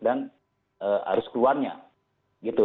dan harus keluarnya gitu